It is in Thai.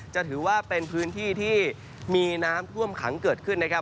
จะถือว่าเป็นพื้นที่ที่มีน้ำท่วมขังเกิดขึ้นนะครับ